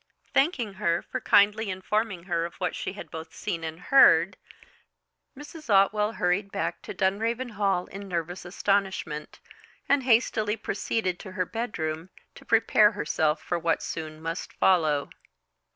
Thanking her for kindly informing her of what she had both seen and heard, Mrs. Otwell hurried back to Dunraven Hall in nervous astonishment, and hastily proceeded to her bedroom to prepare herself for what soon must follow.